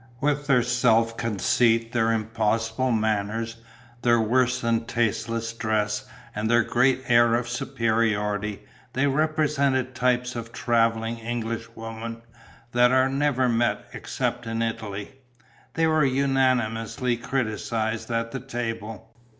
With their self conceit, their impossible manners, their worse than tasteless dress and their great air of superiority, they represented types of travelling Englishwomen that are never met except in Italy. They were unanimously criticized at the table.